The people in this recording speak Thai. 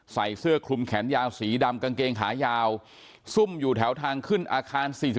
ใส่เสื้อคลุมแขนยาวสีดำกางเกงขายาวซุ่มอยู่แถวทางขึ้นอาคาร๔๔